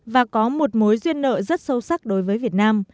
và có một mối duyên nông